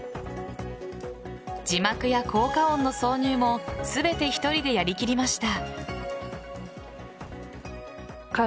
字幕や効果音の挿入も全て１人でやりきりました。